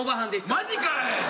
マジかい！